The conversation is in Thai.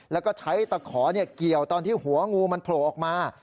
แล้วก็ใช้ตะขอเกี่ยวตอนที่หัวงูมันโผล่ออกมา